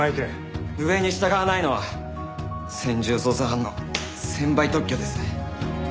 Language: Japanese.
上に従わないのは専従捜査班の専売特許です。